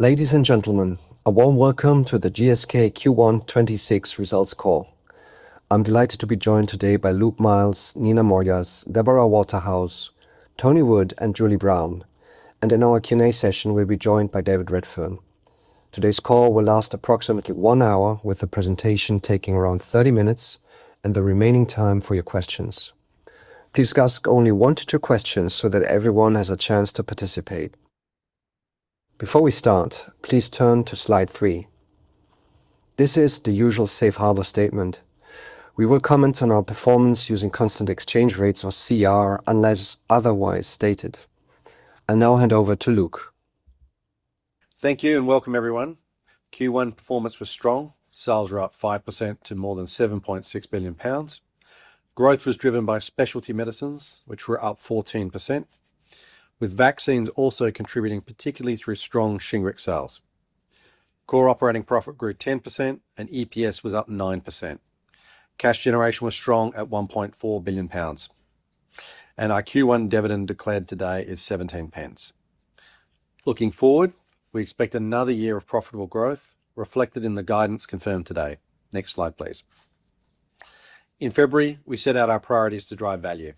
Ladies and gentlemen, a warm welcome to the GSK Q1 2026 results call. I'm delighted to be joined today by Luke Miels, Nina Mojas, Deborah Waterhouse, Tony Wood, and Julie Brown. In our Q&A session, we'll be joined by David Redfern. Today's call will last approximately one hour, with the presentation taking around 30 minutes and the remaining time for your questions. Please ask only one to two questions so that everyone has a chance to participate. Before we start, please turn to slide three. This is the usual safe harbor statement. We will comment on our performance using constant exchange rates or CER, unless otherwise stated. I now hand over to Luke. Thank you, and welcome everyone. Q1 performance was strong. Sales were up 5% to more than 7.6 billion pounds. Growth was driven by Specialty Medicines, which were up 14%, with vaccines also contributing, particularly through strong Shingrix sales. Core operating profit grew 10%, and EPS was up 9%. Cash generation was strong at 1.4 billion pounds. Our Q1 dividend declared today is 0.17. Looking forward, we expect another year of profitable growth reflected in the guidance confirmed today. Next slide, please. In February, we set out our priorities to drive value.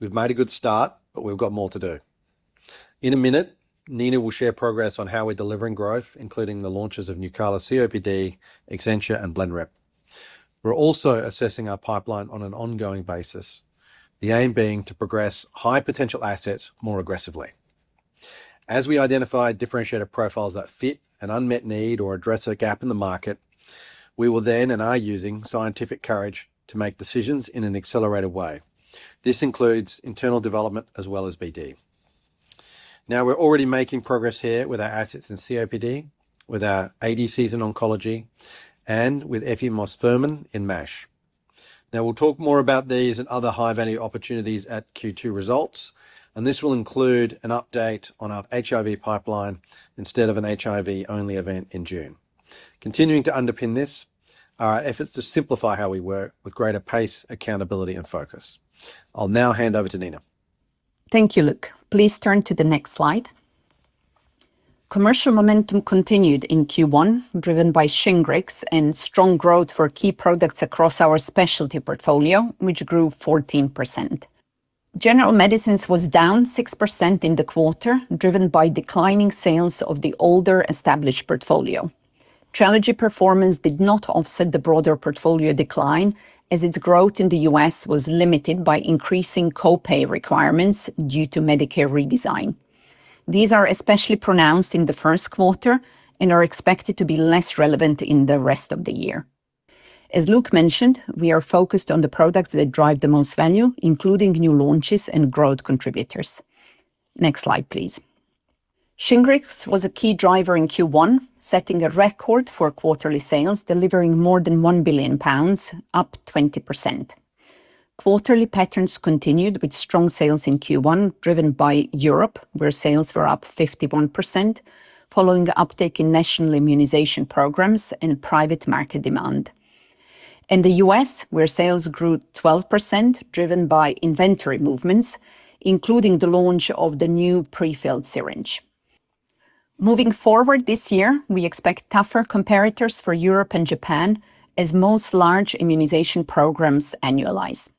We've made a good start, but we've got more to do. In a minute, Nina will share progress on how we're delivering growth, including the launches of Nucala COPD, Extencia, and Blenrep. We're also assessing our pipeline on an ongoing basis. The aim being to progress high potential assets more aggressively. We identify differentiated profiles that fit an unmet need or address a gap in the market, we will then and are using scientific courage to make decisions in an accelerated way. This includes internal development as well as BD. We're already making progress here with our assets in COPD, with our ADCs in oncology, and with efimosfermin in MASH. We'll talk more about these and other high-value opportunities at Q2 results, and this will include an update on our HIV pipeline instead of an HIV-only event in June. Continuing to underpin this are our efforts to simplify how we work with greater pace, accountability, and focus. I'll now hand over to Nina. Thank you, Luke. Please turn to the next slide. Commercial momentum continued in Q1, driven by Shingrix and strong growth for key products across our Specialty portfolio, which grew 14%. General Medicines was down 6% in the quarter, driven by declining sales of the older established portfolio. Trelegy performance did not offset the broader portfolio decline, as its growth in the U.S. was limited by increasing co-pay requirements due to Medicare redesign. These are especially pronounced in the first quarter and are expected to be less relevant in the rest of the year. As Luke mentioned, we are focused on the products that drive the most value, including new launches and growth contributors. Next slide, please. Shingrix was a key driver in Q1, setting a record for quarterly sales, delivering more than 1 billion pounds, up 20%. Quarterly patterns continued with strong sales in Q1, driven by Europe, where sales were up 51% following uptake in national immunization programs and private market demand. In the U.S., where sales grew 12%, driven by inventory movements, including the launch of the new pre-filled syringe. Moving forward this year, we expect tougher comparators for Europe and Japan as most large immunization programs annualize.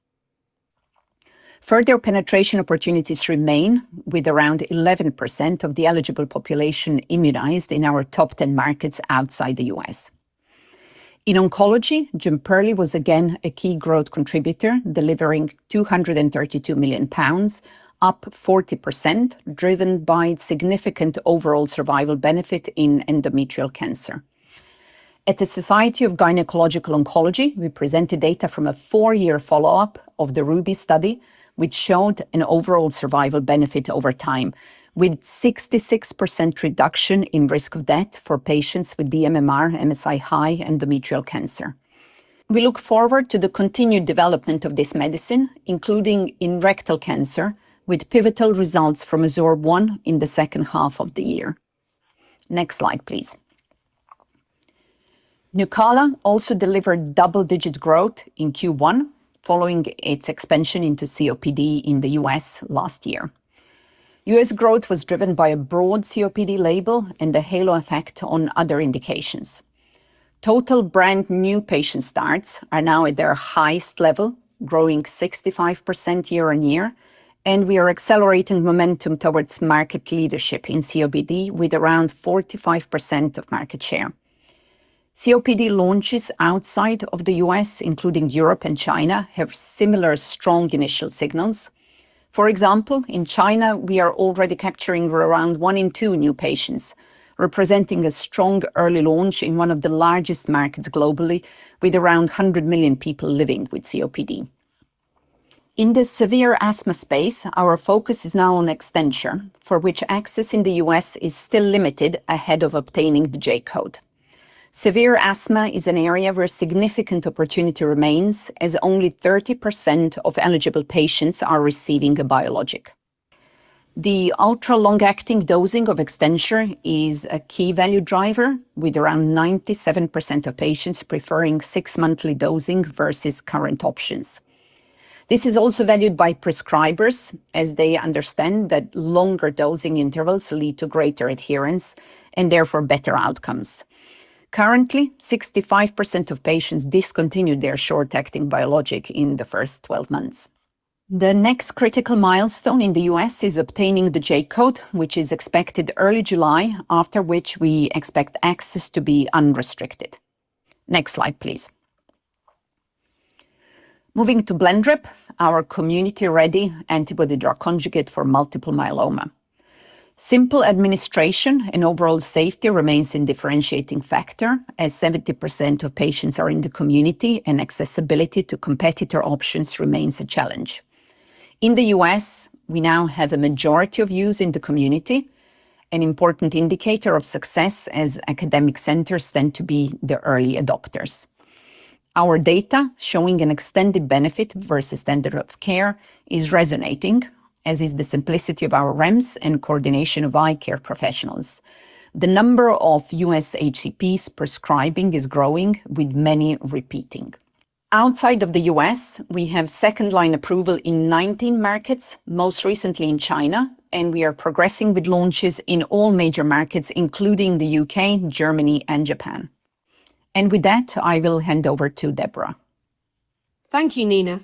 Further penetration opportunities remain with around 11% of the eligible population immunized in our top 10 markets outside the U.S. In oncology, Jemperli was again a key growth contributor, delivering 232 million pounds, up 40%, driven by significant overall survival benefit in endometrial cancer. At the Society of Gynecologic Oncology, we presented data from a four-year follow-up of the RUBY study, which showed an overall survival benefit over time, with 66% reduction in risk of death for patients with the dMMR, MSI-H endometrial cancer. We look forward to the continued development of this medicine, including in rectal cancer, with pivotal results from AZUR-1 in the second half of the year. Next slide, please. Nucala also delivered double-digit growth in Q1 following its expansion into COPD in the U.S. last year. U.S. growth was driven by a broad COPD label and the halo effect on other indications. Total brand new patient starts are now at their highest level, growing 65% year on year. We are accelerating momentum towards market leadership in COPD with around 45% of market share. COPD launches outside of the U.S., including Europe and China, have similar strong initial signals. For example, in China, we are already capturing around one in two new patients, representing a strong early launch in one of the largest markets globally with around 100 million people living with COPD. In the severe asthma space, our focus is now on Extencia, for which access in the U.S. is still limited ahead of obtaining the J-code. Severe asthma is an area where significant opportunity remains, as only 30% of eligible patients are receiving a biologic. The ultra long-acting dosing of Extencia is a key value driver with around 97% of patients preferring 6-monthly dosing versus current options. This is also valued by prescribers as they understand that longer dosing intervals lead to greater adherence and therefore better outcomes. Currently, 65% of patients discontinue their short-acting biologic in the first 12 months. The next critical milestone in the U.S. is obtaining the J-code, which is expected early July, after which we expect access to be unrestricted. Next slide, please. Moving to Blenrep, our community-ready antibody-drug conjugate for multiple myeloma. Simple administration and overall safety remains a differentiating factor as 70% of patients are in the community, accessibility to competitor options remains a challenge. In the U.S., we now have a majority of use in the community, an important indicator of success as academic centers tend to be the early adopters. Our data showing an extended benefit versus standard of care is resonating, as is the simplicity of our REMS and coordination of eye care professionals. The number of U.S. HCPs prescribing is growing, with many repeating. Outside of the U.S., we have second-line approval in 19 markets, most recently in China, and we are progressing with launches in all major markets, including the U.K., Germany, and Japan. With that, I will hand over to Deborah. Thank you, Nina.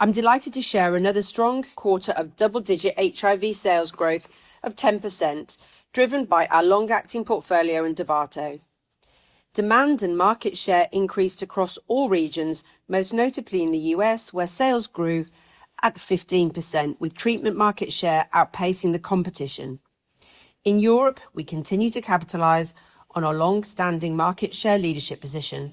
I'm delighted to share another strong quarter of double-digit HIV sales growth of 10%, driven by our long-acting portfolio in Dovato. Demand and market share increased across all regions, most notably in the U.S., where sales grew at 15% with treatment market share outpacing the competition. In Europe, we continue to capitalize on our long-standing market share leadership position.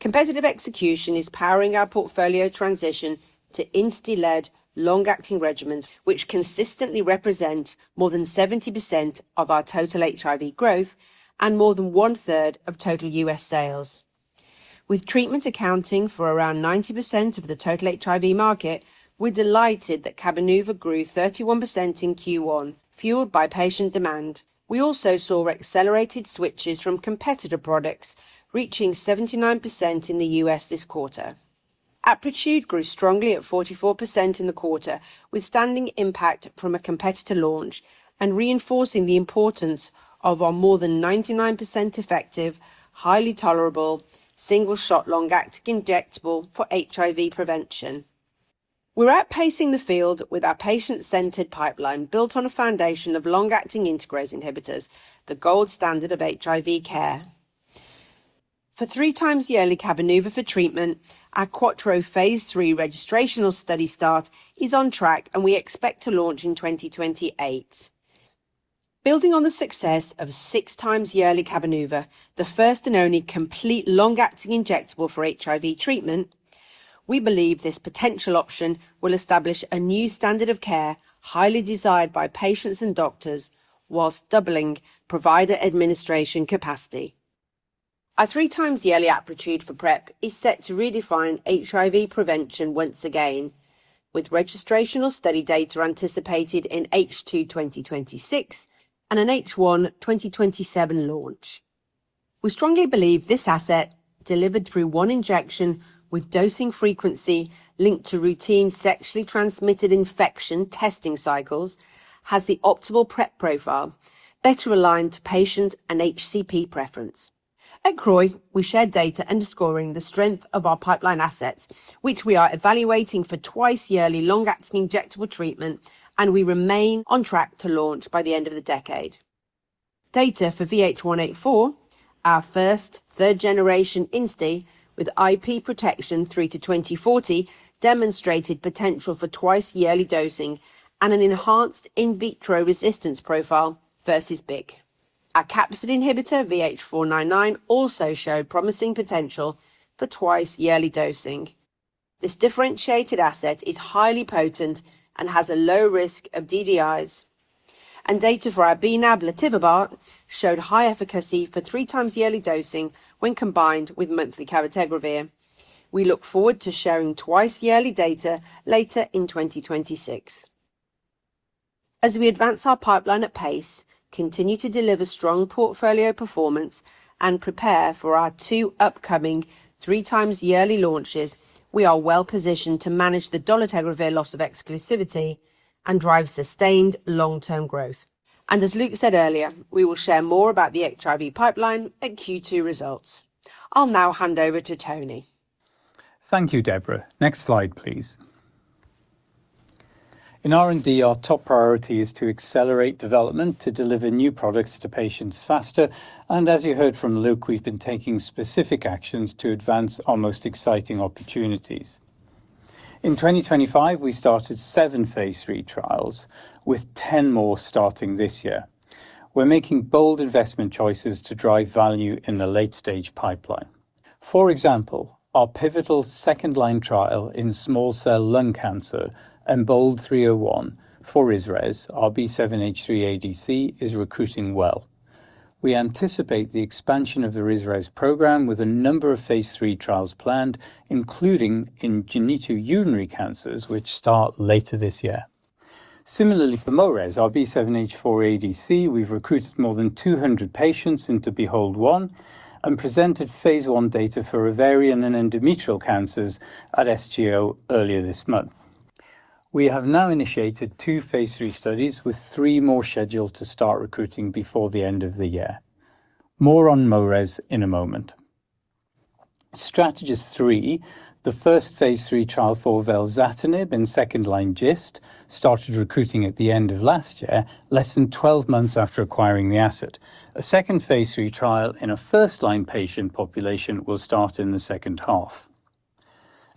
Competitive execution is powering our portfolio transition to INSTI-led long-acting regimens, which consistently represent more than 70% of our total HIV growth and more than 1/3 of total U.S. sales. With treatment accounting for around 90% of the total HIV market, we're delighted that Cabenuva grew 31% in Q1, fueled by patient demand. We also saw accelerated switches from competitor products reaching 79% in the U.S. this quarter. Apretude grew strongly at 44% in the quarter, withstanding impact from a competitor launch and reinforcing the importance of our more than 99% effective, highly tolerable, single-shot long-acting injectable for HIV prevention. We're outpacing the field with our patient-centered pipeline built on a foundation of long-acting integrase inhibitors, the gold standard of HIV care. For three-times-yearly Cabenuva for treatment, our Quattro phase III registrational study start is on track. We expect to launch in 2028. Building on the success of six-times-yearly Cabenuva, the first and only complete long-acting injectable for HIV treatment, we believe this potential option will establish a new standard of care highly desired by patients and doctors while doubling provider administration capacity. Our three-times-yearly Apretude for PrEP is set to redefine HIV prevention once again with registrational study data anticipated in H2 2026 and an H1 2027 launch. We strongly believe this asset delivered through one injection with dosing frequency linked to routine sexually transmitted infection testing cycles has the optimal PrEP profile better aligned to patient and HCP preference. At CROI, we shared data underscoring the strength of our pipeline assets, which we are evaluating for twice-yearly long-acting injectable treatment, and we remain on track to launch by the end of the decade. Data for VH184, our first third-generation INSTI with IP protection through to 2040, demonstrated potential for twice-yearly dosing and an enhanced in vitro resistance profile versus Bic. Our capsid inhibitor, VH499, also showed promising potential for twice-yearly dosing. This differentiated asset is highly potent and has a low risk of DDIs. Data for our bNAb lotivibart showed high efficacy for three-times-yearly dosing when combined with monthly cabotegravir. We look forward to sharing twice-yearly data later in 2026. As we advance our pipeline at pace, continue to deliver strong portfolio performance, and prepare for our two upcoming three-times-yearly launches, we are well-positioned to manage the dolutegravir loss of exclusivity and drive sustained long-term growth. As Luke said earlier, we will share more about the HIV pipeline at Q2 results. I'll now hand over to Tony. Thank you, Deborah. Next slide, please. In R&D, our top priority is to accelerate development to deliver new products to patients faster. As you heard from Luke, we've been taking specific actions to advance our most exciting opportunities. In 2025, we started seven phase III trials with 10 more starting this year. We're making bold investment choices to drive value in the late-stage pipeline. For example, our pivotal second-line trial in small cell lung cancer, EMBOLD-301 for Ris-Rez, our B7H3 ADC, is recruiting well. We anticipate the expansion of the Ris-Rez program with a number of phase III trials planned, including in genitourinary cancers, which start later this year. Similarly, for Mo-Rez, our B7H4 ADC, we've recruited more than 200 patients into BEHOLD-1 and presented phase I data for ovarian and endometrial cancers at SGO earlier this month. We have now initiated two phase III studies with three more scheduled to start recruiting before the end of the year. More on Mo-Rez in a moment. StrateGIST 3, the first phase III trial for velzatinib in second-line GIST, started recruiting at the end of last year, less than 12 months after acquiring the asset. A second phase III trial in a first-line patient population will start in the second half.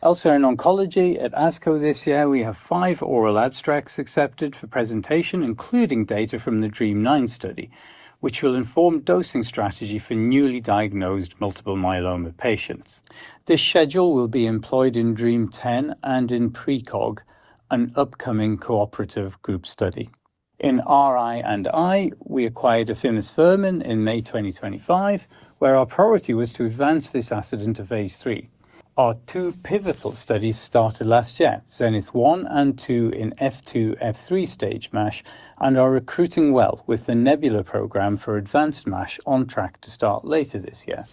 Elsewhere in oncology at ASCO this year, we have five oral abstracts accepted for presentation, including data from the DREAMM-9 study, which will inform dosing strategy for newly diagnosed multiple myeloma patients. This schedule will be employed in DREAMM-10 and in PrECOG, an upcoming cooperative group study. In R&I, we acquired efimosfermin in May 2025, where our priority was to advance this asset into phase III. Our two pivotal studies started last year, ZENITH-1 and 2 in F2-F3 stage MASH, and are recruiting well with the NEBULA program for advanced MASH on track to start later this year.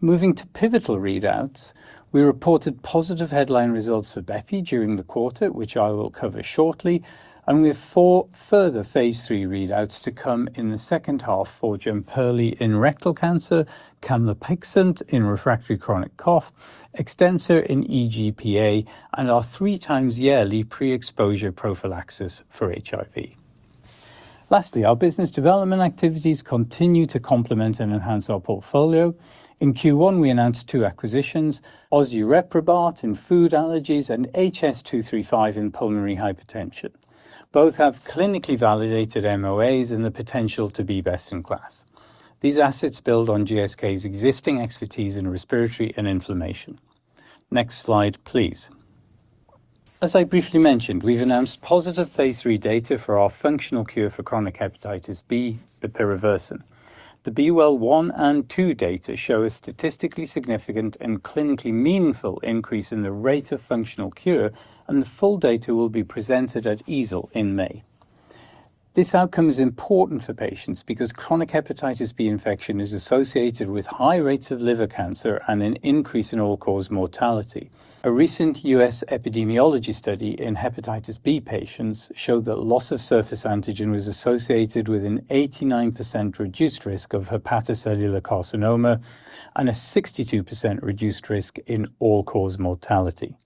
Moving to pivotal readouts, we reported positive headline results for bepi during the quarter, which I will cover shortly, we have four further phase III readouts to come in the second half for Jemperli in rectal cancer, camlipixant in refractory chronic cough, Extencia in EGPA, and our three-times-yearly pre-exposure prophylaxis for HIV. Our business development activities continue to complement and enhance our portfolio. In Q1, we announced two acquisitions, RAPT Therapeutics in food allergies and HS235 in pulmonary hypertension. Both have clinically validated MOAs and the potential to be best in class. These assets build on GSK's existing expertise in respiratory and inflammation. Next slide, please. As I briefly mentioned, we've announced positive phase III data for our functional cure for chronic hepatitis B, bepirovirsen. The B-Well 1 and 2 data show a statistically significant and clinically meaningful increase in the rate of functional cure, and the full data will be presented at EASL in May. This outcome is important for patients because chronic hepatitis B infection is associated with high rates of liver cancer and an increase in all-cause mortality. A recent U.S. epidemiology study in hepatitis B patients showed that loss of surface antigen was associated with an 89% reduced risk of hepatocellular carcinoma and a 62% reduced risk in all-cause mortality.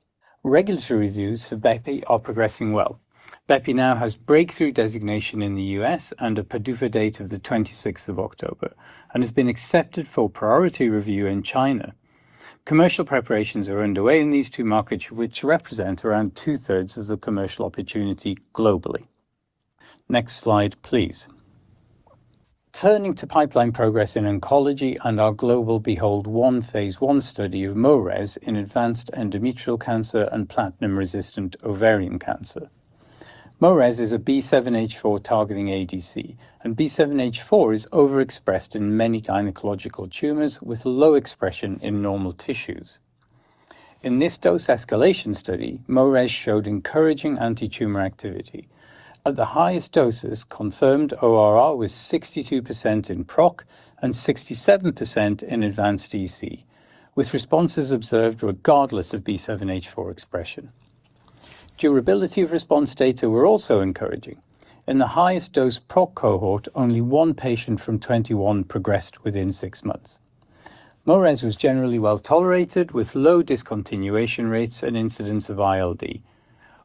Regulatory reviews for bepi are progressing well. Bepi now has breakthrough designation in the U.S. and a PDUFA date of the 26th of October and has been accepted for priority review in China. Commercial preparations are underway in these two markets, which represent around 2/3 of the commercial opportunity globally. Next slide, please. Turning to pipeline progress in oncology and our global BEHOLD-1 phase I study of Mo-Rez in advanced endometrial cancer and platinum-resistant ovarian cancer. Mo-Rez is a B7H4 targeting ADC, and B7H4 is overexpressed in many gynecological tumors with low expression in normal tissues. In this dose escalation study, Mo-Rez showed encouraging antitumor activity. At the highest doses, confirmed ORR was 62% in PROC and 67% in advanced EC, with responses observed regardless of B7H4 expression. Durability of response data were also encouraging. In the highest dose PROC cohort, only 1 patient from 21 progressed within six months. Mo-Rez was generally well-tolerated with low discontinuation rates and incidence of ILD.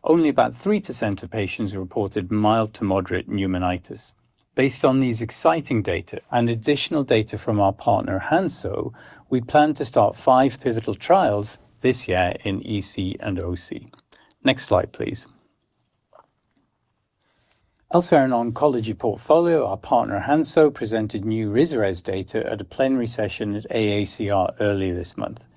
Only about 3% of patients reported mild to moderate pneumonitis. Based on these exciting data and additional data from our partner Hansoh, we plan to start five pivotal trials this year in EC and OC. Next slide, please. Elsewhere in oncology portfolio, our partner Hansoh presented new Ris-Rez data at a plenary session at AACR earlier this month.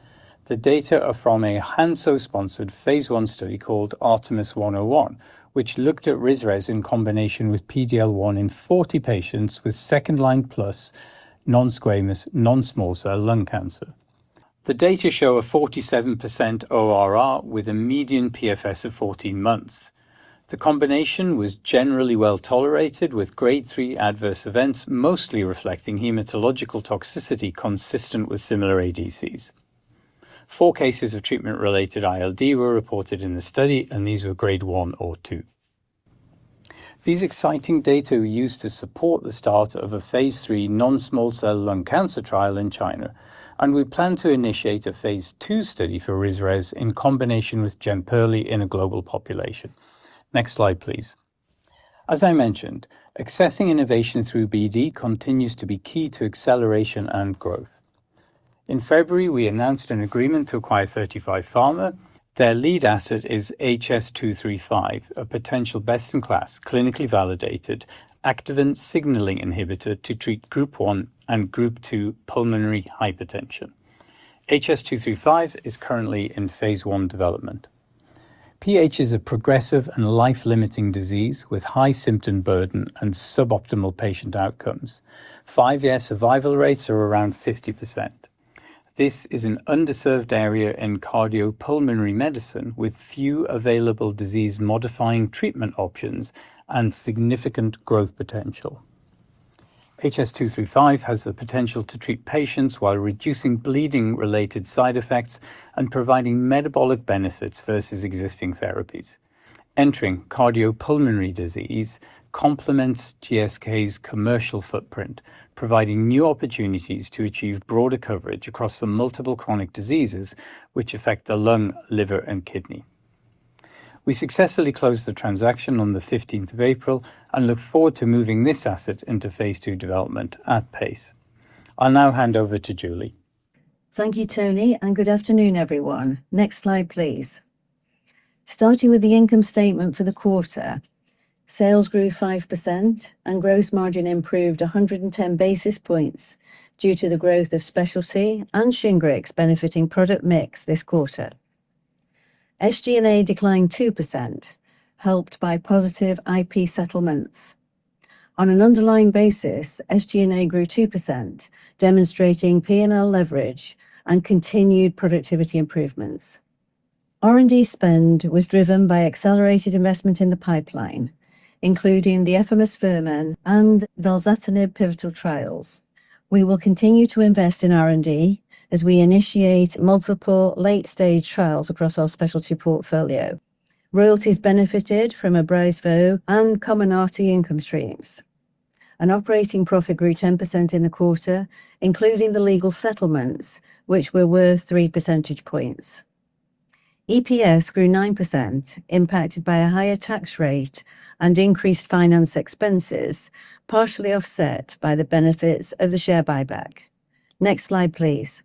The data are from a Hansoh-sponsored phase I study called ARTEMIS-101, which looked at Ris-Rez in combination with PD-L1 in 40 patients with second-line plus non-squamous, non-small cell lung cancer. The data show a 47% ORR with a median PFS of 14 months. The combination was generally well-tolerated with grade 3 adverse events, mostly reflecting hematological toxicity consistent with similar ADCs. Four cases of treatment-related ILD were reported in the study, and these were grade 1 or 2. These exciting data were used to support the start of a phase III non-small cell lung cancer trial in China, and we plan to initiate a phase II study for Ris-Rez in combination with Jemperli in a global population. Next slide, please. As I mentioned, accessing innovation through BD continues to be key to acceleration and growth. In February, we announced an agreement to acquire 35Pharma. Their lead asset is HS235, a potential best-in-class, clinically validated Activin signaling inhibitor to treat Group 1 and Group 2 pulmonary hypertension. HS235 is currently in phase I development. PH is a progressive and life-limiting disease with high symptom burden and suboptimal patient outcomes. Five-year survival rates are around 50%. This is an underserved area in cardiopulmonary medicine with few available disease-modifying treatment options and significant growth potential. HS235 has the potential to treat patients while reducing bleeding-related side effects and providing metabolic benefits versus existing therapies. Entering cardiopulmonary disease complements GSK's commercial footprint, providing new opportunities to achieve broader coverage across the multiple chronic diseases which affect the lung, liver, and kidney. We successfully closed the transaction on the 15th of April, and look forward to moving this asset into phase II development at pace. I'll now hand over to Julie. Thank you, Tony, and good afternoon, everyone. Next slide, please. Starting with the income statement for the quarter, sales grew 5% and gross margin improved 110 basis points due to the growth of Specialty Medicines and Shingrix benefiting product mix this quarter. SG&A declined 2%, helped by positive IP settlements. On an underlying basis, SG&A grew 2%, demonstrating P&L leverage and continued productivity improvements. R&D spend was driven by accelerated investment in the pipeline, including the efimosfermin and velzatinib pivotal trials. We will continue to invest in R&D as we initiate multiple late-stage trials across our Specialty Medicines portfolio. Royalties benefited from Abrysvo and Comirnaty income streams. Operating profit grew 10% in the quarter, including the legal settlements, which were worth 3 percentage points. EPS grew 9%, impacted by a higher tax rate and increased finance expenses, partially offset by the benefits of the share buyback. Next slide, please.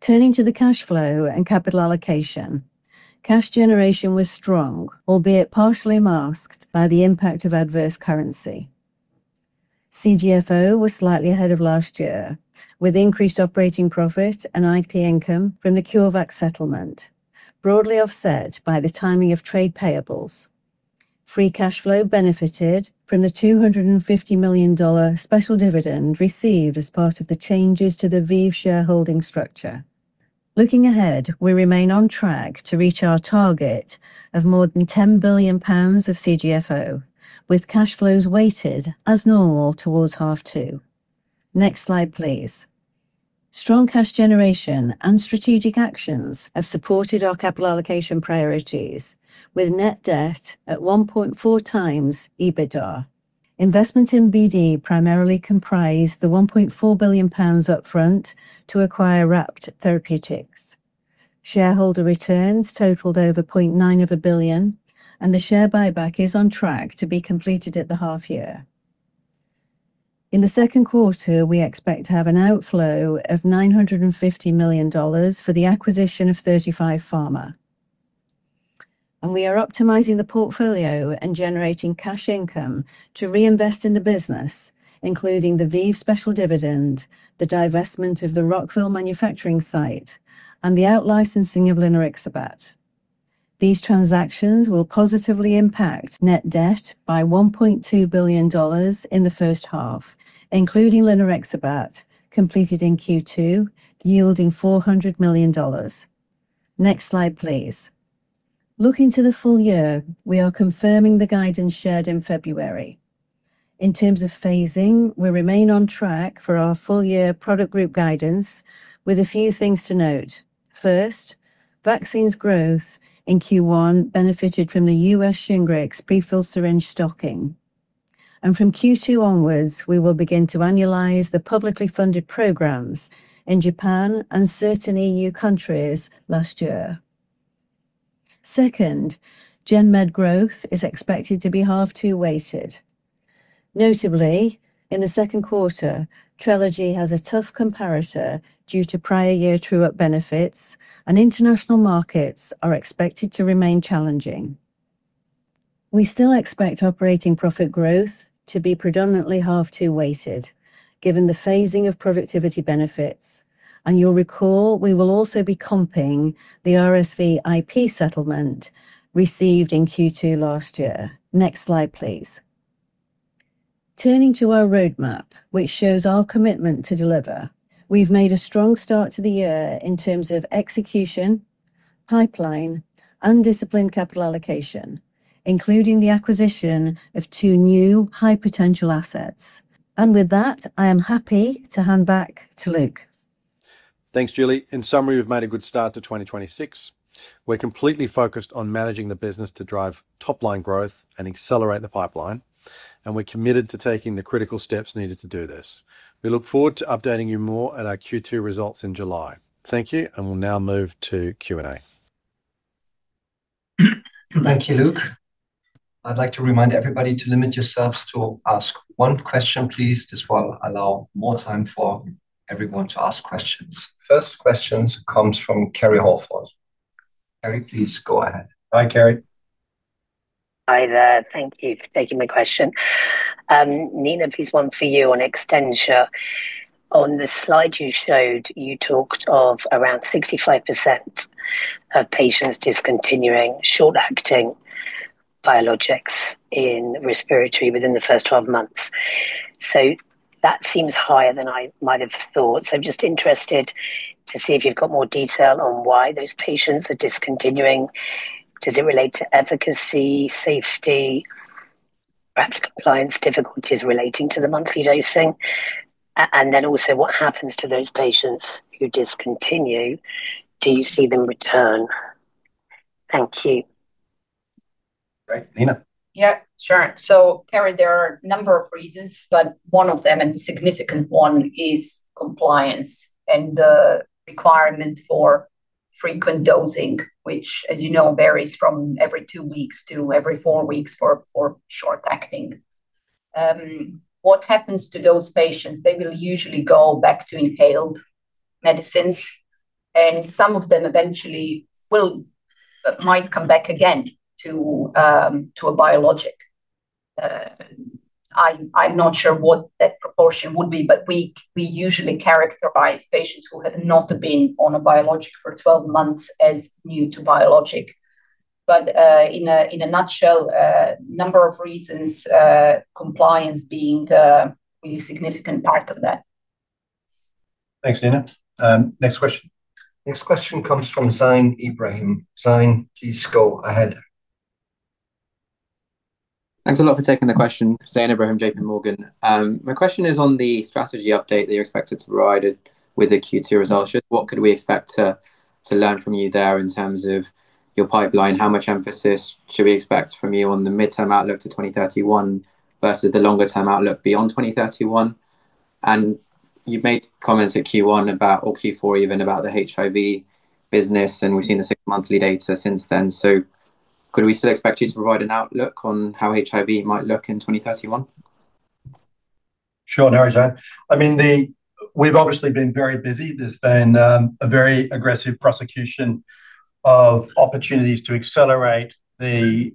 Turning to the cash flow and capital allocation. Cash generation was strong, albeit partially masked by the impact of adverse currency. CGFO was slightly ahead of last year, with increased operating profit and IP income from the CureVac settlement, broadly offset by the timing of trade payables. Free cash flow benefited from the $250 million special dividend received as part of the changes to the ViiV shareholding structure. Looking ahead, we remain on track to reach our target of more than 10 billion pounds of CGFO, with cash flows weighted as normal towards half 2. Next slide, please. Strong cash generation and strategic actions have supported our capital allocation priorities with net debt at 1.4x EBITDA. Investments in BD primarily comprise the 1.4 billion pounds up front to acquire RAPT Therapeutics. Shareholder returns totaled over 0.9 billion, the share buyback is on track to be completed at the half year. In the second quarter, we expect to have an outflow of $950 million for the acquisition of 35Pharma. We are optimizing the portfolio and generating cash income to reinvest in the business, including the ViiV special dividend, the divestment of the Rockville manufacturing site, and the out licensing of linerixibat. These transactions will positively impact net debt by $1.2 billion in the first half, including linerixibat completed in Q2, yielding $400 million. Next slide, please. Looking to the full year, we are confirming the guidance shared in February. In terms of phasing, we remain on track for our full year product group guidance with a few things to note. Vaccines growth in Q1 benefited from the U.S. Shingrix prefill syringe stocking. From Q2 onwards, we will begin to annualize the publicly funded programs in Japan and certain EU countries last year. Gen Med growth is expected to be half-two weighted. Notably, in the second quarter, Trelegy has a tough comparator due to prior-year true-up benefits and international markets are expected to remain challenging. We still expect operating profit growth to be predominantly half-two weighted given the phasing of productivity benefits. You'll recall we will also be comping the RSV IP settlement received in Q2 last year. Next slide, please. Turning to our roadmap, which shows our commitment to deliver. We've made a strong start to the year in terms of execution, pipeline, and disciplined capital allocation, including the acquisition of two new high-potential assets. With that, I am happy to hand back to Luke. Thanks, Julie. In summary, we've made a good start to 2026. We're completely focused on managing the business to drive top line growth and accelerate the pipeline, and we're committed to taking the critical steps needed to do this. We look forward to updating you more at our Q2 results in July. Thank you, and we'll now move to Q&A. Thank you, Luke. I'd like to remind everybody to limit yourselves to ask one question, please. This will allow more time for everyone to ask questions. First questions comes from Kerry Holford. Kerry, please go ahead. Hi, Kerry. Hi there. Thank you for taking my question. Nina, please, one for you on Extencia. On the slide you showed, you talked of around 65%. of patients discontinuing short-acting biologics in respiratory within the first 12 months. That seems higher than I might have thought. I'm just interested to see if you've got more detail on why those patients are discontinuing. Does it relate to efficacy, safety, perhaps compliance difficulties relating to the monthly dosing? Also, what happens to those patients who discontinue? Do you see them return? Thank you. Great. Nina? Yeah, sure. Kerry, there are a number of reasons, but one of them, and a significant one, is compliance and the requirement for frequent dosing, which as you know, varies from every two weeks to every four weeks for short acting. What happens to those patients, they will usually go back to inhaled medicines, and some of them eventually might come back again to a biologic. I'm not sure what that proportion would be, but we usually characterize patients who have not been on a biologic for 12 months as new to biologic. In a nutshell, a number of reasons, compliance being a really significant part of that. Thanks, Nina. Next question. Next question comes from Zain Ebrahim. Zain, please go ahead. Thanks a lot for taking the question. Zain Ebrahim, JPMorgan. My question is on the strategy update that you're expected to provide with the Q2 results. Just what could we expect to learn from you there in terms of your pipeline? How much emphasis should we expect from you on the midterm outlook to 2031 versus the longer-term outlook beyond 2031? You've made comments at Q1 about, or Q4 even, about the HIV business, and we've seen the six-monthly data since then. Could we still expect you to provide an outlook on how HIV might look in 2031? Sure, no worries, Zain. I mean, we've obviously been very busy. There's been a very aggressive prosecution of opportunities to accelerate the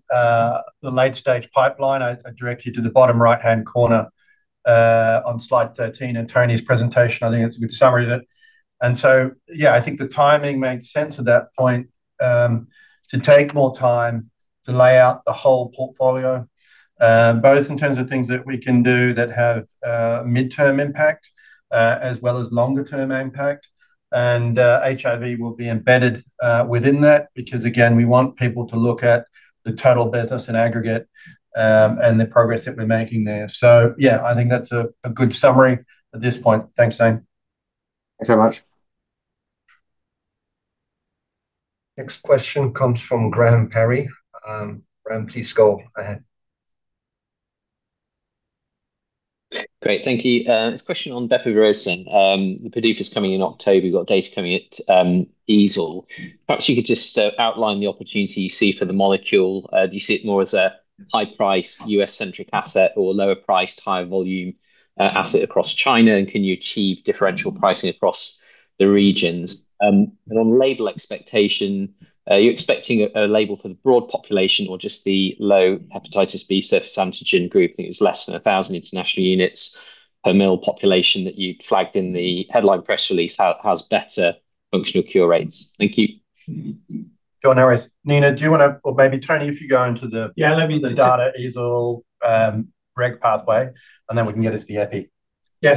late stage pipeline. I direct you to the bottom right-hand corner on slide 13 in Tony's presentation. I think it's a good summary of it. Yeah, I think the timing made sense at that point to take more time to lay out the whole portfolio, both in terms of things that we can do that have midterm impact, as well as longer term impact. HIV will be embedded within that because again, we want people to look at the total business in aggregate and the progress that we're making there. Yeah, I think that's a good summary at this point. Thanks, Zain. Thanks very much. Next question comes from Graham Parry. Graham, please go ahead. Great, thank you. This question on bepirovirsen. The PDUFA's coming in October. You've got data coming at EASL. Perhaps you could just outline the opportunity you see for the molecule. Do you see it more as a high price U.S.-centric asset or lower price, high volume asset across China? Can you achieve differential pricing across the regions? On label expectation, are you expecting a label for the broad population or just the low hepatitis B surface antigen group, think it's less than 1,000 international units per mL population that you flagged in the headline press release, has better functional cure rates? Thank you. Sure. No worries. Nina, do you wanna go? Maybe Tony, if you go into it. Yeah. the data EASL, reg pathway, and then we can get it to the IP. Yeah.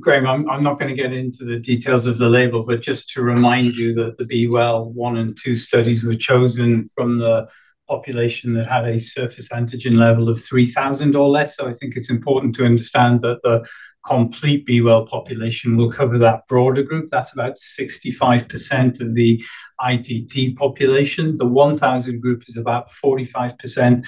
Graham, I'm not gonna get into the details of the label, just to remind you that the B-Well 1 and 2 studies were chosen from the population that had a surface antigen level of 3,000 or less. I think it's important to understand that the complete B-Well population will cover that broader group. That's about 65% of the ITT population. The 1,000 group is about 45%.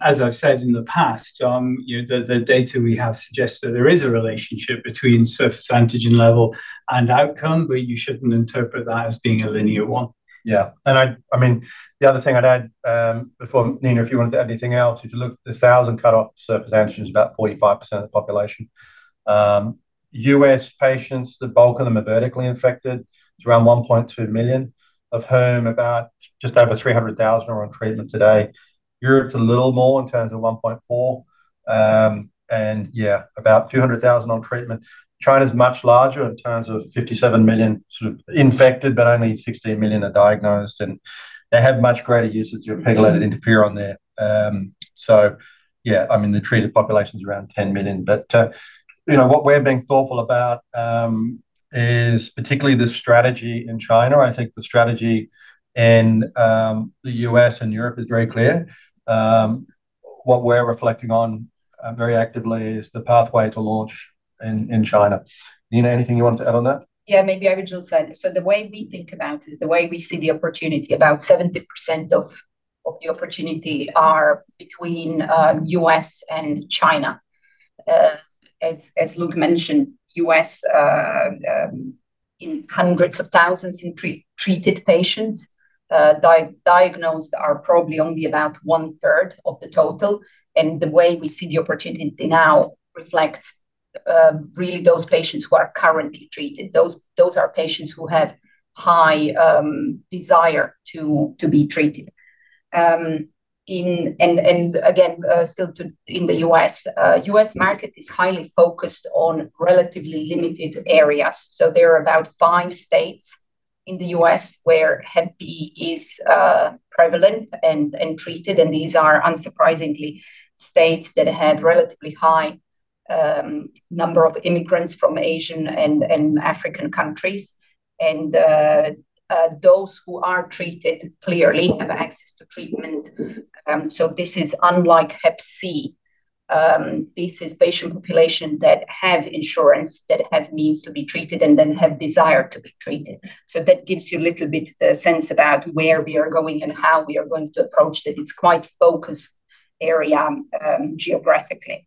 As I've said in the past, you know, the data we have suggests that there is a relationship between surface antigen level and outcome, but you shouldn't interpret that as being a linear one. Yeah. I mean, the other thing I'd add, before Nina, if you wanted to add anything else, if you look, the 1,000 cut off surface antigen is about 45% of the population. U.S. patients, the bulk of them are vertically infected. It's around 1.2 million, of whom about just over 300,000 are on treatment today. Europe's a little more in terms of 1.4. Yeah, about 200,000 on treatment. China's much larger in terms of 57 million sort of infected, but only 16 million are diagnosed, and they have much greater usage of pegylated interferon there. Yeah. I mean, the treated population's around 10 million. You know, what we're being thoughtful about is particularly the strategy in China. I think the strategy in the U.S. and Europe is very clear. What we're reflecting on, very actively is the pathway to launch in China. Nina, anything you wanted to add on that? Yeah, maybe I would just say this. The way we think about is the way we see the opportunity, about 70% of the opportunity are between the U.S. and China. As Luke Miels mentioned, U.S. in hundreds of thousands in treated patients, diagnosed are probably only about 1/3 of the total. The way we see the opportunity now reflects really those patients who are currently treated. Those are patients who have high desire to be treated. Again, still, in the U.S. U.S. market is highly focused on relatively limited areas. There are about five states in the U.S. where hep B is prevalent and treated, and these are unsurprisingly states that have relatively high number of immigrants from Asian and African countries. Those who are treated clearly have access to treatment. This is unlike hep C. This is patient population that have insurance, that have means to be treated, and then have desire to be treated. That gives you a little bit sense about where we are going and how we are going to approach it. It's quite focused area geographically.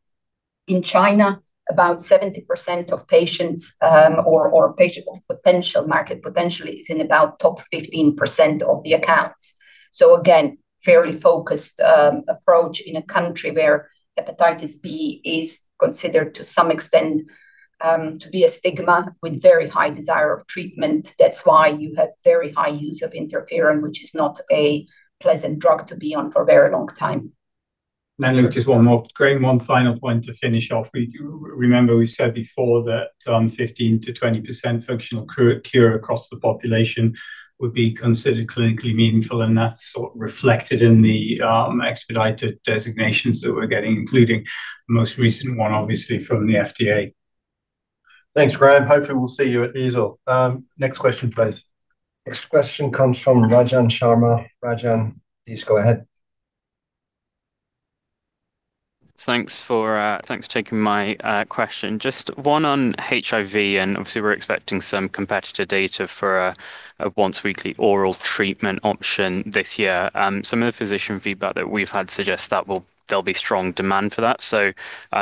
In China, about 70% of patients, or patient of potential market potentially is in about top 15% of the accounts. Again, very focused approach in a country where hepatitis B is considered to some extent to be a stigma with very high desire of treatment. That's why you have very high use of interferon, which is not a pleasant drug to be on for a very long time. Luke, just one more. Graham, one final point to finish off. We remember we said before that 15%-20% functional cure across the population would be considered clinically meaningful, and that's sort of reflected in the expedited designations that we're getting, including the most recent one, obviously, from the FDA. Thanks, Graham. Hopefully we'll see you at EASL. Next question, please. Next question comes from Rajan Sharma. Rajan, please go ahead. Thanks for taking my question. Just one on HIV, and obviously we're expecting some competitor data for a once-weekly oral treatment option this year. Some of the physician feedback that we've had suggests that there'll be strong demand for that.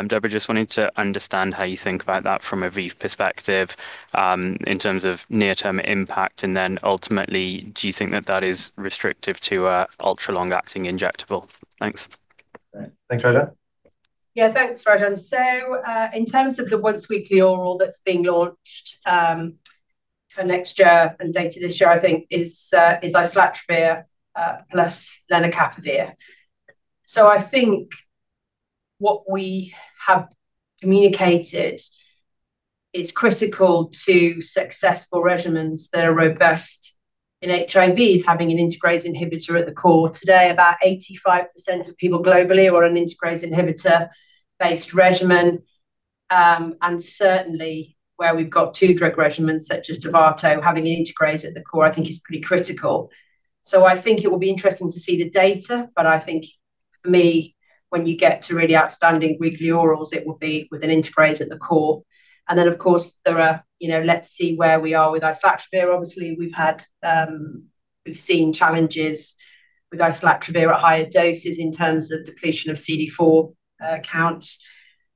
Deborah, just wanted to understand how you think about that from a ViiV perspective, in terms of near-term impact, and then ultimately, do you think that that is restrictive to a ultra-long acting injectable? Thanks. Thanks, Rajan. Yeah, thanks, Rajan. In terms of the once-weekly oral that's being launched for next year and data this year, I think is islatravir plus lenacapavir. I think what we have communicated is critical to successful regimens that are robust in HIV is having an integrase inhibitor at the core. Today, about 85% of people globally are on an integrase inhibitor-based regimen. Certainly where we've got two drug regimens such as Dovato, having an integrase at the core I think is pretty critical. I think it will be interesting to see the data, I think for me, when you get to really outstanding weekly orals, it will be with an integrase at the core. Of course there are, you know, let's see where we are with islatravir. Obviously, we've had, we've seen challenges with islatravir at higher doses in terms of depletion of CD4 counts.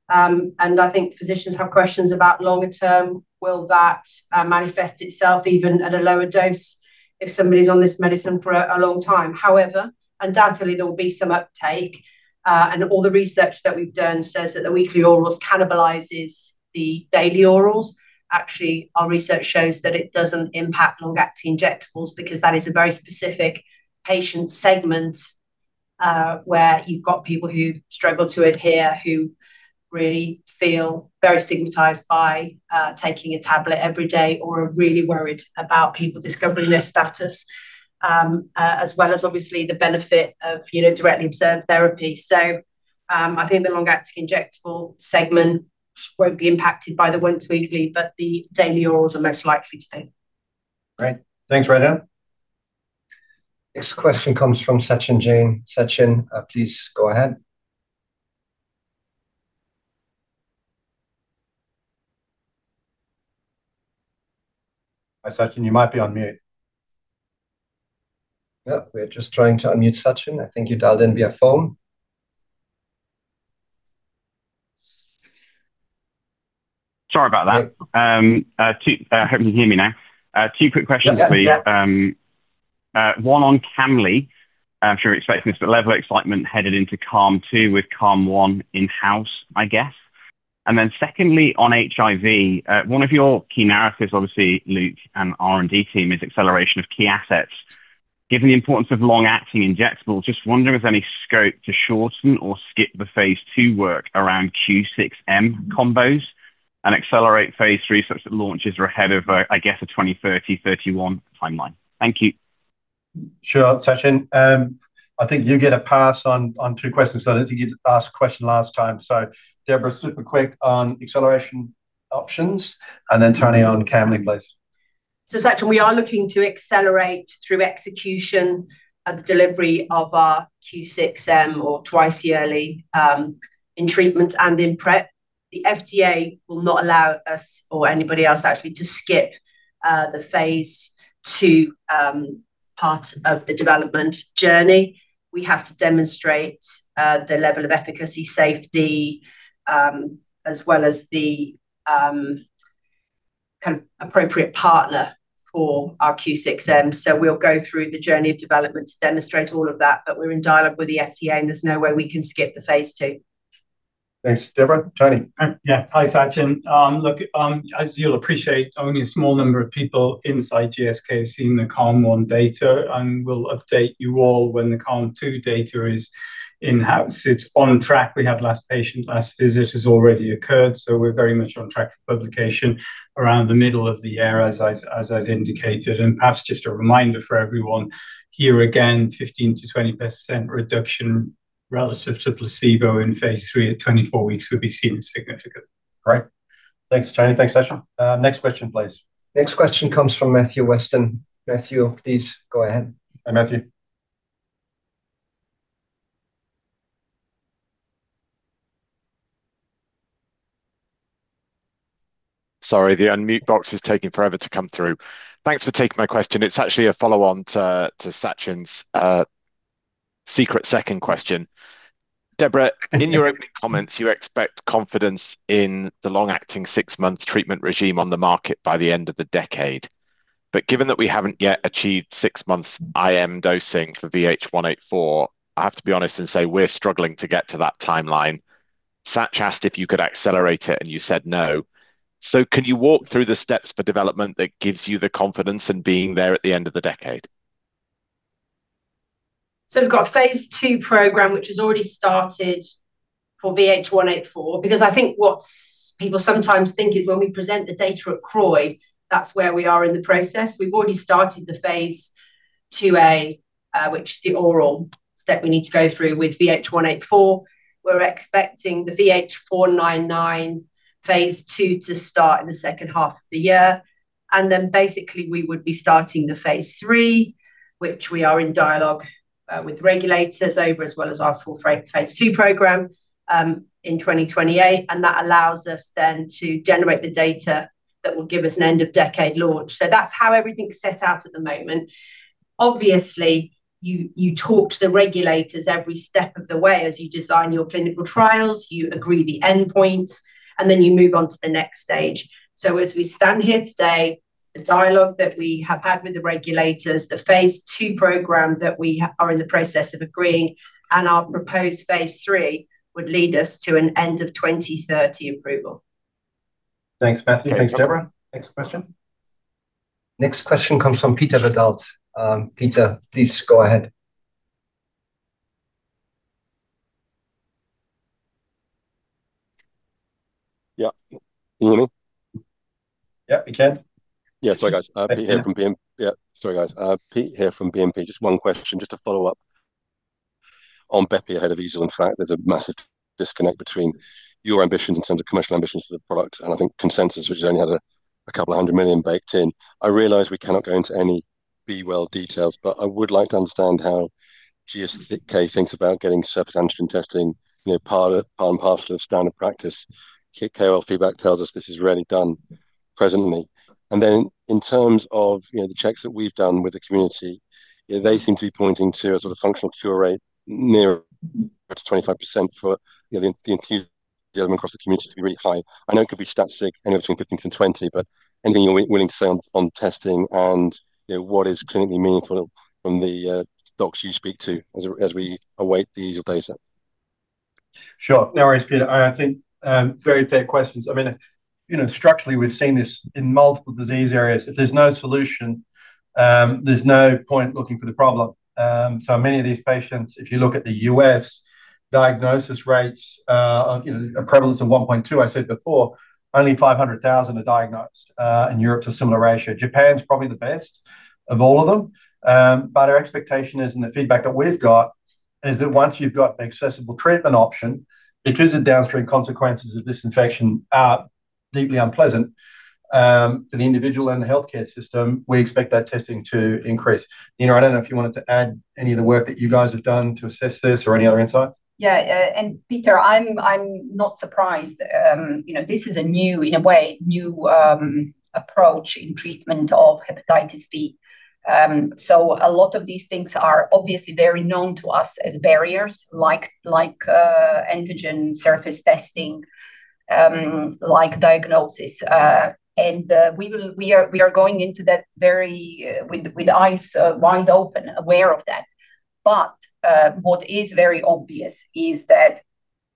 I think physicians have questions about longer term, will that manifest itself even at a lower dose if somebody's on this medicine for a long time? However, undoubtedly there will be some uptake, and all the research that we've done says that the weekly orals cannibalizes the daily orals. Actually, our research shows that it doesn't impact long-acting injectables because that is a very specific patient segment, where you've got people who struggle to adhere, who really feel very stigmatized by taking a tablet every day or are really worried about people discovering their status, as well as obviously the benefit of, you know, directly observed therapy. I think the long-acting injectable segment won't be impacted by the once-weekly, but the daily orals are most likely to be. Great. Thanks, Rajan. Next question comes from Sachin Jain. Sachin, please go ahead. Hi, Sachin, you might be on mute. Yeah, we're just trying to unmute Sachin. I think you dialed in via phone. Sorry about that. Great. I hope you can hear me now. two quick questions please. Yeah. Yeah. One on camlipixant. I'm sure you're expecting this, level of excitement headed into CALM-2 with CALM-1 in-house, I guess. Secondly, on HIV, one of your key narratives obviously, Luke and the R&D team, is acceleration of key assets. Given the importance of long-acting injectables, just wondering if there's any scope to shorten or skip the phase II work around Q6M combos and accelerate phase III such that launches are ahead of, I guess a 2030-2031 timeline. Thank you. Sure, Sachin. I think you get a pass on two questions. I don't think you'd asked a question last time. Deborah, super quick on acceleration options, and then Tony on camlipixant, please. Sachin, we are looking to accelerate through execution, the delivery of our Q6M or twice-yearly, in treatment and in PrEP. The FDA will not allow us or anybody else actually to skip the phase II part of the development journey. We have to demonstrate the level of efficacy, safety, as well as the kind of appropriate partner for our Q6M. We'll go through the journey of development to demonstrate all of that, but we're in dialogue with the FDA, and there's no way we can skip the phase II. Thanks, Deborah. Tony? Hi, Sachin. Look, as you'll appreciate, only a small number of people inside GSK have seen the CALM-1 data, and we'll update you all when the CALM-2 data is in house. It's on track. We had last patient, last visit has already occurred, so we're very much on track for publication around the middle of the year, as I've indicated. Perhaps just a reminder for everyone, here again, 15%-20% reduction relative to placebo in phase III at 24 weeks would be seen as significant. Great. Thanks, Tony. Thanks, Sachin. Next question, please. Next question comes from Matthew Weston. Matthew, please go ahead. Hi, Matthew. Sorry, the unmute box is taking forever to come through. Thanks for taking my question. It's actually a follow-on to Sachin's secret second question. Deborah, in your opening comments, you expect confidence in the long-acting six months treatment regime on the market by the end of the decade. Given that we haven't yet achieved six months IM dosing for VH184, I have to be honest and say we're struggling to get to that timeline. Sachin asked if you could accelerate it, you said no. Can you walk through the steps for development that gives you the confidence in being there at the end of the decade? We've got phase II program, which has already started for VH184, because I think what people sometimes think is when we present the data at CROI, that's where we are in the process. We've already started the phase IIa, which is the oral step we need to go through with VH184. We're expecting the VH499 phase II to start in the second half of the year. Basically we would be starting the phase III, which we are in dialogue with regulators over, as well as our full phase II program in 2028. That allows us then to generate the data that will give us an end of decade launch. That's how everything's set out at the moment. Obviously, you talk to the regulators every step of the way as you design your clinical trials, you agree the endpoints, and then you move on to the next stage. As we stand here today, the dialogue that we have had with the regulators, the phase II program that we are in the process of agreeing, and our proposed phase III would lead us to an end of 2030 approval. Thanks, Matthew. Thanks, Deborah. Next question. Next question comes from Peter Verdult. Peter, please go ahead. Yeah. Can you hear me? Yeah, we can. Yeah. Sorry, guys. Peter- Pete here from BNP. Yeah, sorry, guys. Pete here from BNP. Just one question, just to follow up on bepi ahead of EASL. In fact, there's a massive disconnect between your ambitions in terms of commercial ambitions for the product, and I think consensus, which has only had a, 200 million baked in. I realize we cannot go into any B-Well details, but I would like to understand how GSK thinks about getting surface antigen testing, you know, part and parcel of standard practice. KL feedback tells us this is rarely done presently. In terms of, you know, the checks that we've done with the community, you know, they seem to be pointing to a sort of functional cure rate near to 25% for, you know, the infusion across the community to be really high. I know it could be stat sig anywhere between 15-20. Anything you're willing to say on testing and, you know, what is clinically meaningful from the docs you speak to as we await the EASL data? Sure. No worries, Peter. I think, very fair questions. I mean, you know, structurally, we've seen this in multiple disease areas. If there's no solution, there's no point looking for the problem. Many of these patients, if you look at the U.S. diagnosis rates, you know, a prevalence of 1.2, I said before, only 500,000 are diagnosed. In Europe, it's a similar ratio. Japan's probably the best of all of them. Our expectation is, and the feedback that we've got is that once you've got an accessible treatment option, because the downstream consequences of this infection are deeply unpleasant, for the individual and the healthcare system, we expect that testing to increase. Nina, I don't know if you wanted to add any of the work that you guys have done to assess this or any other insights. Yeah. Peter, I'm not surprised. You know, this is a new, in a way, new approach in treatment of hepatitis B. A lot of these things are obviously very known to us as barriers like antigen surface testing, like diagnosis. We are going into that very with eyes wide open, aware of that. What is very obvious is that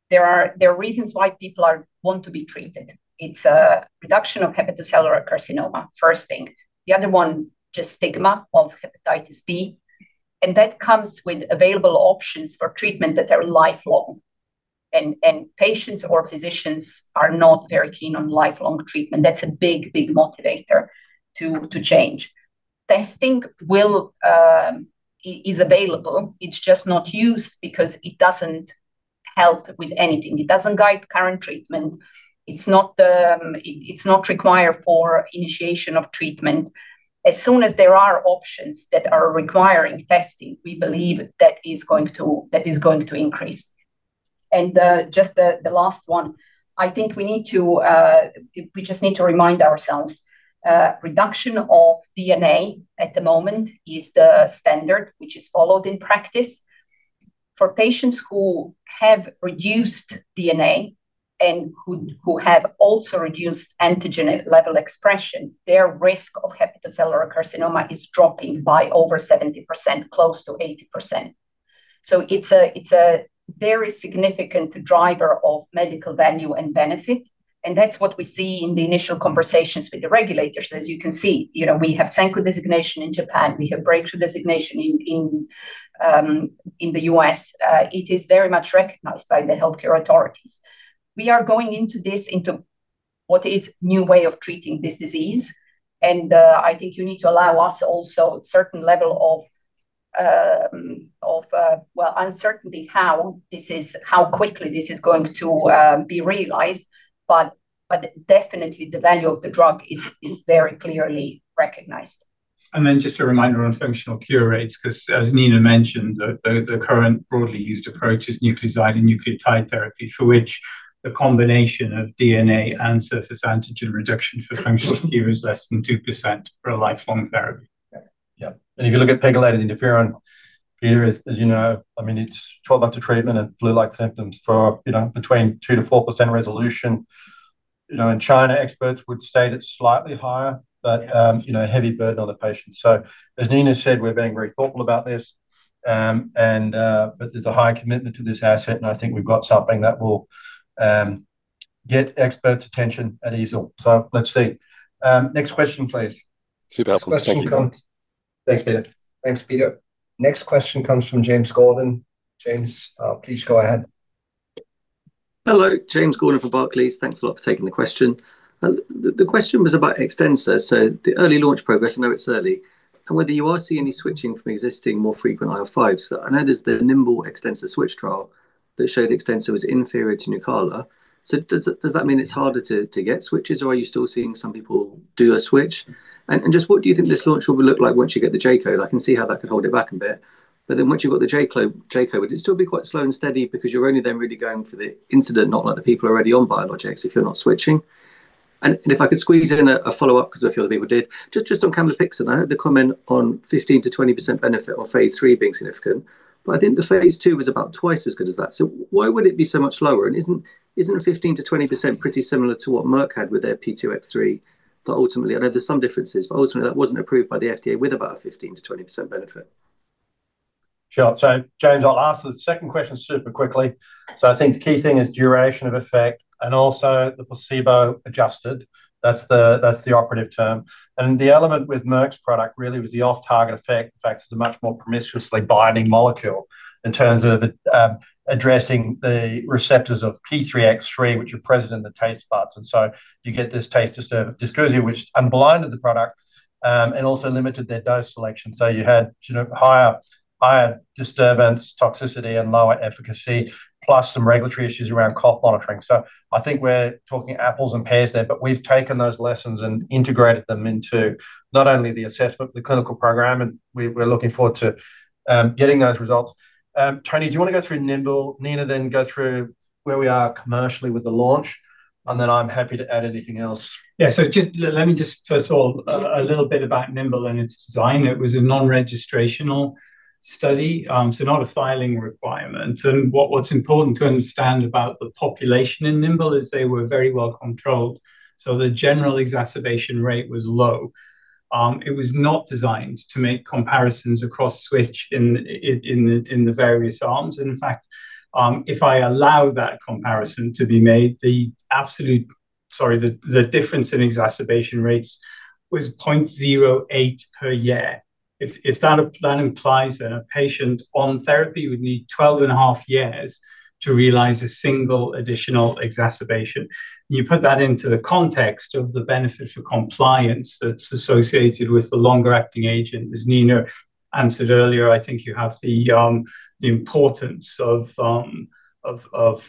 there are reasons why people are want to be treated. It's a reduction of hepatocellular carcinoma, first thing. The other one, just stigma of hepatitis B, and that comes with available options for treatment that are lifelong. Patients or physicians are not very keen on lifelong treatment. That's a big motivator to change. Testing will is available. It's just not used because it doesn't help with anything. It doesn't guide current treatment. It's not, it's not required for initiation of treatment. As soon as there are options that are requiring testing, we believe that is going to increase. Just the last one, I think we need to remind ourselves, reduction of DNA at the moment is the standard which is followed in practice. For patients who have reduced DNA who have also reduced antigen level expression, their risk of hepatocellular carcinoma is dropping by over 70%, close to 80%. It's a very significant driver of medical value and benefit, and that's what we see in the initial conversations with the regulators. As you can see, you know, we have SAKIGAKE designation in Japan, we have breakthrough designation in the U.S. It is very much recognized by the healthcare authorities. We are going into this into what is new way of treating this disease, and I think you need to allow us also certain level of, well, uncertainty how this is, how quickly this is going to be realized, but definitely the value of the drug is very clearly recognized. Just a reminder on functional cure rates, 'cause as Nina mentioned, the current broadly used approach is nucleoside and nucleotide therapy, for which the combination of DNA and surface antigen reduction for functional cure is less than 2% for a lifelong therapy. Yeah. Yeah. If you look at pegylated interferon, Peter, as you know, I mean it's 12 months of treatment and flu-like symptoms for, you know, between 2%-4% resolution. You know, in China, experts would state it slightly higher, you know, heavy burden on the patient. As Nina said, we're being very thoughtful about this, and, but there's a high commitment to this asset, and I think we've got something that will get experts' attention at EASL. Let's see. Next question please. Super helpful. Thank you. Next question. Thanks, Peter. Thanks, Peter. Next question comes from James Gordon. James, please go ahead. Hello, James Gordon for Barclays. Thanks a lot for taking the question. The question was about Extencia. The early launch progress, I know it's early, and whether you are seeing any switching from existing more frequent IL-5s. I know there's the NIMBLE Extencia switch trial that showed Extencia was inferior to Nucala. Does that mean it's harder to get switches, or are you still seeing some people do a switch? What do you think this launch will look like once you get the J-code? I can see how that could hold it back a bit, but then once you've got the J-code, would it still be quite slow and steady because you're only then really going for the incident, not like the people already on biologics if you're not switching. If I could squeeze in a follow-up, 'cause I feel that people did. Just on camlipixant, I heard the comment on 15%-20% benefit of phase III being significant, but I think the phase II was about twice as good as that. Why would it be so much lower? Isn't 15%-20% pretty similar to what Merck had with their P2X3, but ultimately I know there's some differences, but ultimately that wasn't approved by the FDA with about a 15%-20% benefit. Sure. James, I'll answer the second question super quickly. I think the key thing is duration of effect and also the placebo adjusted. That's the operative term. The element with Merck's product really was the off target effect. In fact, it's a much more promiscuously binding molecule in terms of addressing the receptors of P2X3, which are present in the taste buds, and so you get this taste dysgeusia, which unblinded the product and also limited their dose selection. You had, you know, higher disturbance toxicity and lower efficacy, plus some regulatory issues around cough monitoring. I think we're talking apples and pears there, but we've taken those lessons and integrated them into not only the assessment but the clinical program, and we're looking forward to getting those results. Tony, do you want to go through NIMBLE, Nina then go through where we are commercially with the launch, and then I'm happy to add anything else. Yeah. Let me just first of all, a little bit about NIMBLE and its design. It was a non-registrational study, not a filing requirement. What's important to understand about the population in NIMBLE is they were very well controlled, the general exacerbation rate was low. It was not designed to make comparisons across switch in the various arms. In fact, if I allow that comparison to be made, sorry, the difference in exacerbation rates was 0.08 per year. If that implies that a patient on therapy would need 12 and a half years to realize a single additional exacerbation. You put that into the context of the benefit for compliance that's associated with the longer acting agent. As Nina answered earlier, I think you have the importance of depemokimab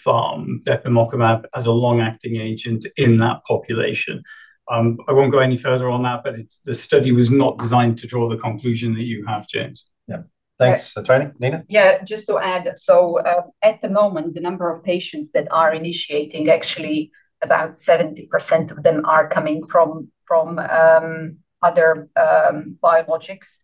as a long-acting agent in that population. I won't go any further on that, but the study was not designed to draw the conclusion that you have, James. Yeah. Thanks. Tony, Nina? Yeah, just to add, at the moment the number of patients that are initiating, actually about 70% of them are coming from other biologics.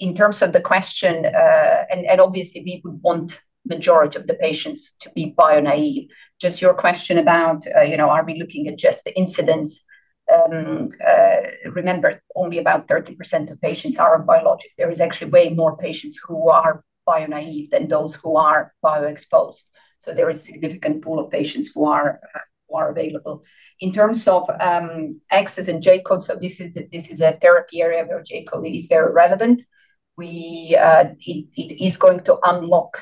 In terms of the question, and obviously we would want majority of the patients to be bio-naive. Just your question about, you know, are we looking at just the incidents. Remember only about 30% of patients are on biologic. There is actually way more patients who are bio-naive than those who are bio-exposed. There is significant pool of patients who are available. In terms of access and J-code, this is a therapy area where J-code is very relevant. It is going to unlock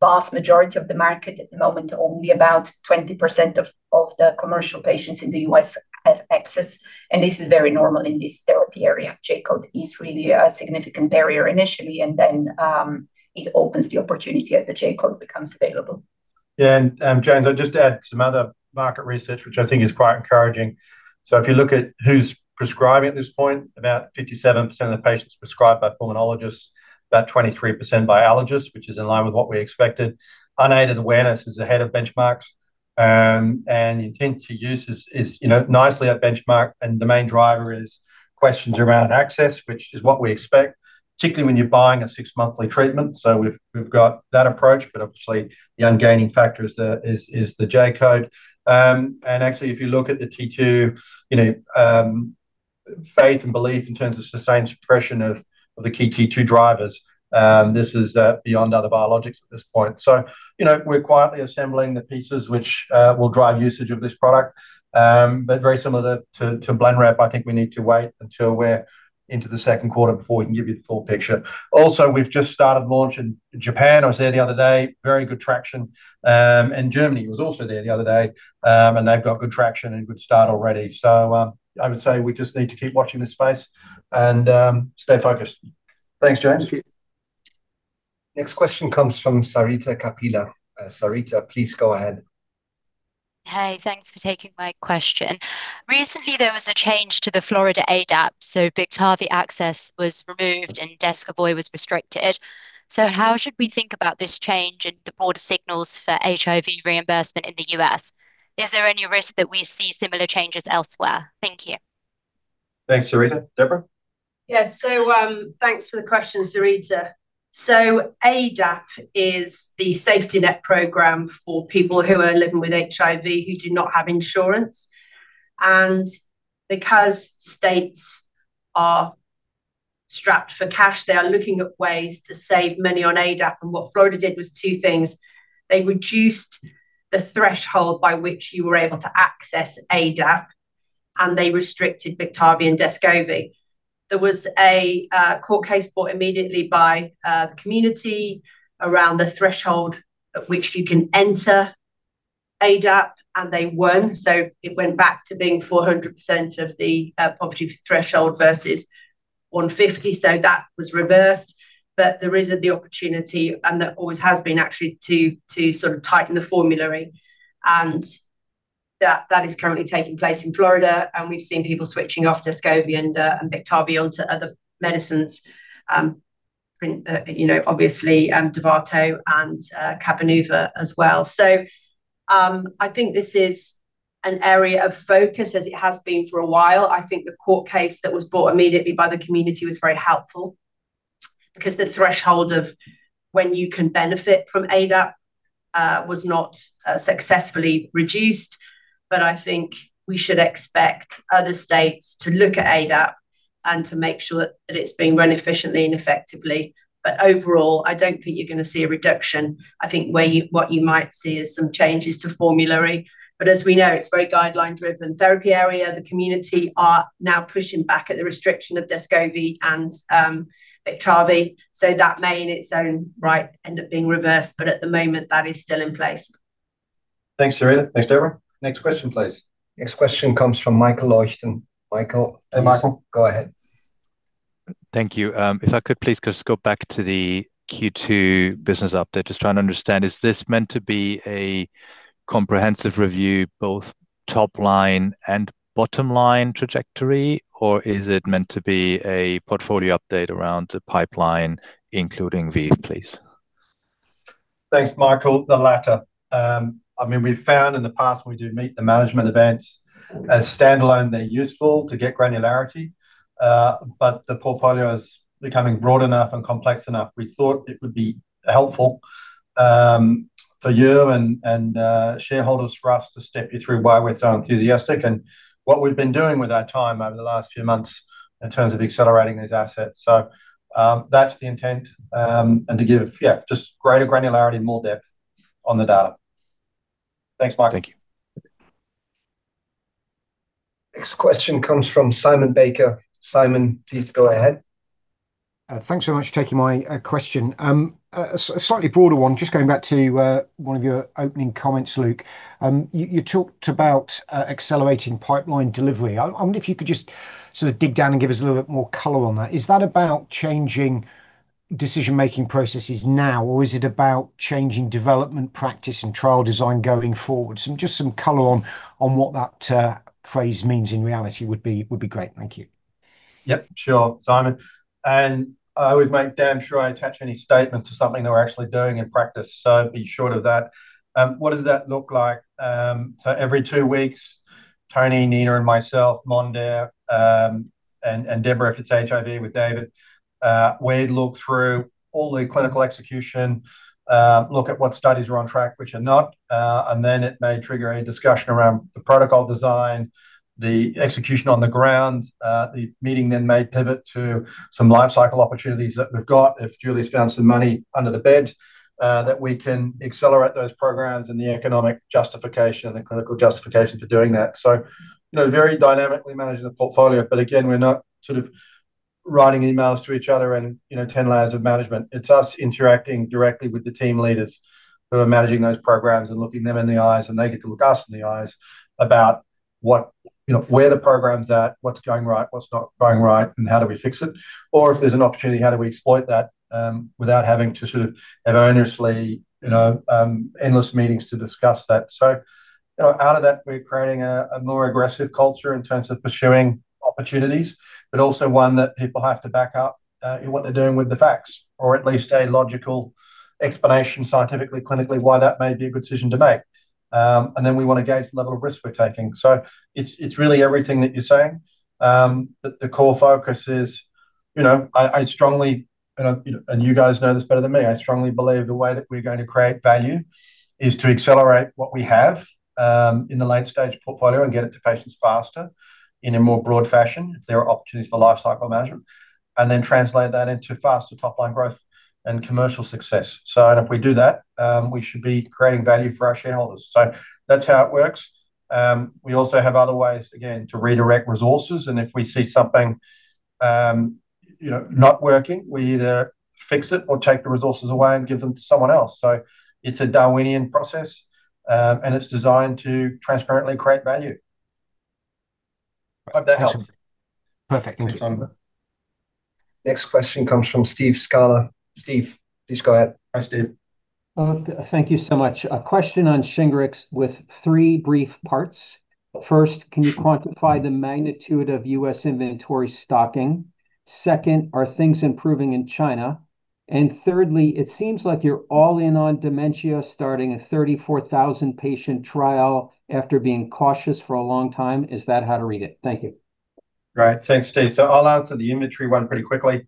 vast majority of the market. At the moment only about 20% of the commercial patients in the U.S. have access. This is very normal in this therapy area. J-code is really a significant barrier initially. Then, it opens the opportunity as the J-code becomes available. Yeah. James, I'll just add some other market research, which I think is quite encouraging. If you look at who's prescribing at this point, about 57% of the patients prescribed by pulmonologists, about 23% by allergists, which is in line with what we expected. Unaided awareness is ahead of benchmarks. Intent to use is, you know, nicely at benchmark, and the main driver is questions around access, which is what we expect, particularly when you're buying a 6-monthly treatment. We've got that approach, but obviously the ungaining factor is the J-code. Actually if you look at the T2, you know, faith and belief in terms of sustained suppression of the key T2 drivers, this is beyond other biologics at this point. You know, we're quietly assembling the pieces which will drive usage of this product. Very similar to Blenrep, I think we need to wait until we're into the second quarter before we can give you the full picture. We've just started launch in Japan. I was there the other day. Very good traction. Germany. I was also there the other day. They've got good traction and good start already. I would say we just need to keep watching this space and stay focused. Thanks, James. Next question comes from Sarita Kapila. Sarita, please go ahead. Hey, thanks for taking my question. Recently there was a change to the Florida ADAP, Biktarvy access was removed and Descovy was restricted. How should we think about this change and the broader signals for HIV reimbursement in the U.S.? Is there any risk that we see similar changes elsewhere? Thank you. Thanks, Sarita. Deborah? Yeah. Thanks for the question, Sarita. ADAP is the safety net program for people who are living with HIV who do not have insurance, and because states are strapped for cash, they are looking at ways to save money on ADAP. What Florida did was two things. They reduced the threshold by which you were able to access ADAP, and they restricted Biktarvy and Descovy. There was a court case brought immediately by the community around the threshold at which you can enter ADAP, and they won. It went back to being 400% of the poverty threshold versus 150. That was reversed. There is the opportunity, and there always has been actually to sort of tighten the formulary and that is currently taking place in Florida. We've seen people switching off Descovy and Biktarvy onto other medicines, you know, obviously, Dovato and Cabenuva as well. I think this is an area of focus as it has been for a while. I think the court case that was brought immediately by the community was very helpful because the threshold of when you can benefit from ADAP was not successfully reduced. I think we should expect other states to look at ADAP and to make sure that it's being run efficiently and effectively. Overall, I don't think you're gonna see a reduction. I think what you might see is some changes to formulary, but as we know, it's very guideline driven therapy area. The community are now pushing back at the restriction of Descovy and Biktarvy. That may in its own right end up being reversed. At the moment, that is still in place. Thanks, Sarita. Thanks, Deborah. Next question, please. Next question comes from Michael Leuchten. Michael. Hey, Michael. Please go ahead. Thank you. If I could please just go back to the Q2 business update. Just trying to understand, is this meant to be a comprehensive review, both top line and bottom line trajectory, or is it meant to be a portfolio update around the pipeline, including ViiV, please? Thanks, Michael. The latter. I mean, we've found in the past when we do meet the management events as standalone, they're useful to get granularity. The portfolio is becoming broad enough and complex enough, we thought it would be helpful, for you and, shareholders for us to step you through why we're so enthusiastic and what we've been doing with our time over the last few months in terms of accelerating these assets. That's the intent, and to give, yeah, just greater granularity, more depth on the data. Thanks, Michael. Thank you. Next question comes from Simon Baker. Simon, please go ahead. Thanks so much for taking my question. A slightly broader one. Just going back to one of your opening comments, Luke. You talked about accelerating pipeline delivery. I wonder if you could just sort of dig down and give us a little bit more color on that. Is that about changing decision-making processes now, or is it about changing development practice and trial design going forward? Just some color on what that phrase means in reality would be great. Thank you. Yep, sure, Simon. I always make damn sure I attach any statement to something that we're actually doing in practice, so be sure of that. What does that look like? Every two weeks, Tony, Nina, and myself, Mondher, and Deborah, if it's HIV with David, we look through all the clinical execution, look at what studies are on track, which are not, and then it may trigger a discussion around the protocol design, the execution on the ground. The meeting then may pivot to some life cycle opportunities that we've got, if Julie's found some money under the bed, that we can accelerate those programs and the economic justification and the clinical justification for doing that. You know, very dynamically managing the portfolio, but again, we're not sort of writing emails to each other and, you know, 10 layers of management. It's us interacting directly with the team leaders who are managing those programs and looking them in the eyes, and they get to look us in the eyes about what, you know, where the program's at, what's going right, what's not going right, and how do we fix it. If there's an opportunity, how do we exploit that, without having to sort of have earnestly, you know, endless meetings to discuss that. You know, out of that, we're creating a more aggressive culture. opportunities, but also one that people have to back up, in what they're doing with the facts or at least a logical explanation scientifically, clinically why that may be a good decision to make. Then we want to gauge the level of risk we're taking. It's, it's really everything that you're saying. The core focus is, you know, I strongly, and, you know, and you guys know this better than me, I strongly believe the way that we're going to create value is to accelerate what we have, in the late-stage portfolio and get it to patients faster in a more broad fashion if there are opportunities for life cycle management, and then translate that into faster top line growth and commercial success. If we do that, we should be creating value for our shareholders. That's how it works. We also have other ways, again, to redirect resources, and if we see something, you know, not working, we either fix it or take the resources away and give them to someone else. It's a Darwinian process, and it's designed to transparently create value. Hope that helps. Perfect. Thank you. Thanks, Simon. Next question comes from Steve Scala. Steve, please go ahead. Hi, Steve. Thank you so much. A question on Shingrix with three brief parts. First, can you quantify the magnitude of U.S. inventory stocking? Second, are things improving in China? Thirdly, it seems like you're all in on dementia, starting a 34,000-patient trial after being cautious for a long time. Is that how to read it? Thank you. Great. Thanks, Steve. I'll answer the inventory one pretty quickly.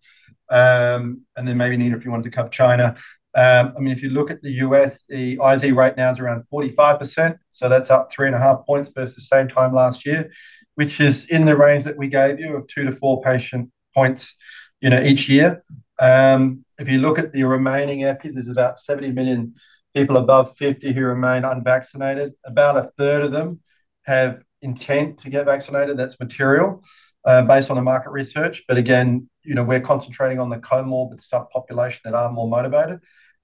Then maybe Nina, if you wanted to cover China. I mean, if you look at the U.S., the IZ rate now is around 45%, that's up 3.5 points versus same time last year, which is in the range that we gave you of 2-4 patient points, you know, each year. If you look at the remaining effort, there's about 70 million people above 50 who remain unvaccinated. About 1/3 of them have intent to get vaccinated. That's material, based on the market research. Again, you know, we're concentrating on the comorbid subpopulation that are more motivated,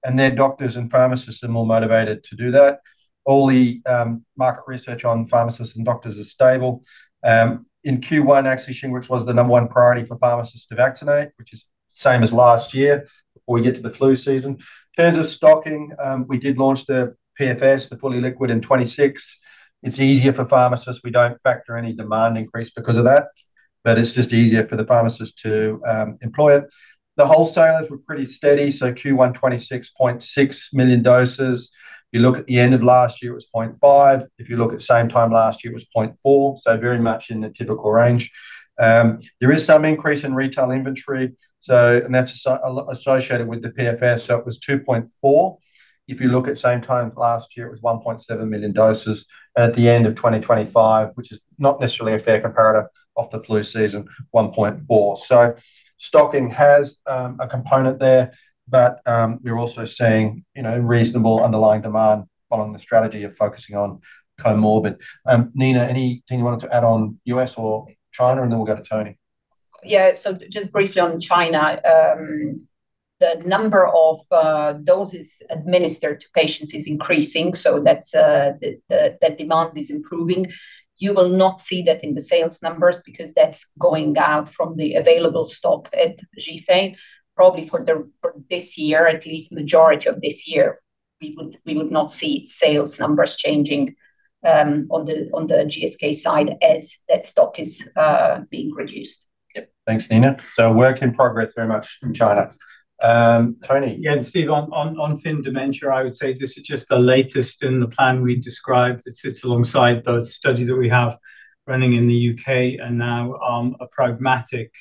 and their doctors and pharmacists are more motivated to do that. All the market research on pharmacists and doctors are stable. In Q1, actually, Shingrix was the number one priority for pharmacists to vaccinate, which is same as last year before we get to the flu season. In terms of stocking, we did launch the PFS, the fully liquid in 26. It's easier for pharmacists. We don't factor any demand increase because of that, but it's just easier for the pharmacist to employ it. The wholesalers were pretty steady. Q1, 26.6 million doses. If you look at the end of last year, it was 0.5. If you look at the same time last year, it was 0.4. Very much in the typical range. There is some increase in retail inventory associated with the PFS. It was 2.4. If you look at the same time last year, it was 1.7 million doses. At the end of 2025, which is not necessarily a fair comparator of the flu season, 1.4. Stocking has a component there, but we're also seeing, you know, reasonable underlying demand following the strategy of focusing on comorbid. Nina, anything you wanted to add on U.S. or China, and then we'll go to Tony. Yeah. Just briefly on China, the number of doses administered to patients is increasing, so that's the demand is improving. You will not see that in the sales numbers because that's going out from the available stock at Zhifei probably for this year, at least majority of this year. We would not see sales numbers changing on the GSK side as that stock is being reduced. Yep. Thanks, Nina. Work in progress very much in China. Tony. Steve, on frontotemporal dementia, I would say this is just the latest in the plan we described that sits alongside the study that we have running in the U.K. and now, a pragmatic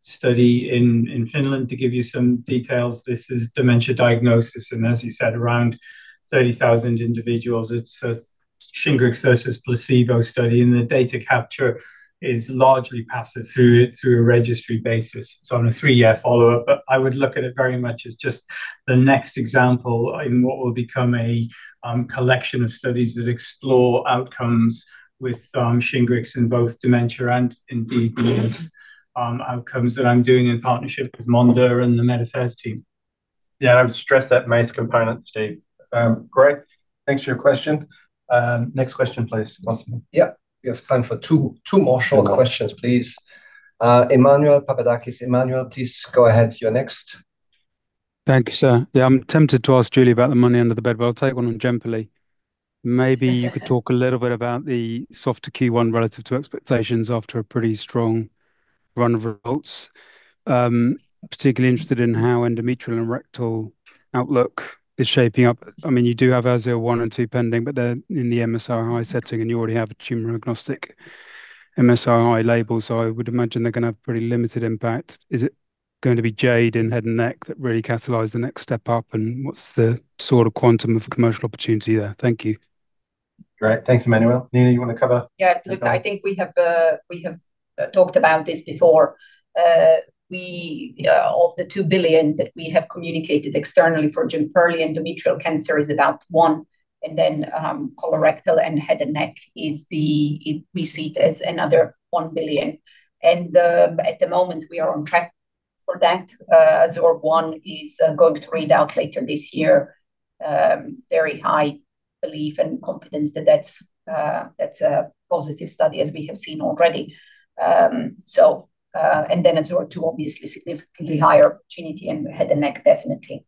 study in Finland. To give you some details, this is dementia diagnosis and as you said, around 30,000 individuals. It's a Shingrix versus placebo study, and the data capture is largely passes through a registry basis. On a 3-year follow-up. I would look at it very much as just the next example in what will become a collection of studies that explore outcomes with Shingrix in both dementia and indeed these outcomes that I'm doing in partnership with Mondher and the Med Affairs team. Yeah. I would stress that MACE component, Steve. Great. Thanks for your question. Next question, please, Massimo. Yeah. We have time for two more short questions, please. Emmanuel Papadakis. Emmanuel, please go ahead. You're next. Thank you, sir. Yeah. I'm tempted to ask Julie about the money under the bed, but I'll take one on Jemperli. Maybe you could talk a little bit about the softer Q1 relative to expectations after a pretty strong run of results. Particularly interested in how endometrial and rectal outlook is shaping up. I mean, you do have AZUR-1 and AZUR-2 pending, but they're in the MSI-H setting, and you already have a tumor-agnostic MSI-H label. I would imagine they're going to have pretty limited impact. Is it going to be JADE in head and neck that really catalyze the next step up? What's the sort of quantum of commercial opportunity there? Thank you. Great. Thanks, Emmanuel. Nina, you want to cover? Yeah. Look, I think we have, we have talked about this before. Of the 2 billion that we have communicated externally for Jemperli, endometrial cancer is about 1 billion, colorectal and head and neck is we see it as another 1 billion. At the moment, we are on track for that. AZUR-1 is going to read out later this year. Very high belief and confidence that that's a positive study as we have seen already. AZUR-2 obviously significantly higher opportunity in head and neck definitely.